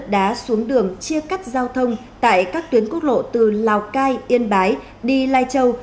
mưa lớn gây ra sạt lửa đất đá xuống đường chia cắt giao thông tại các tuyến quốc lộ từ lào cai yên bái đi lai châu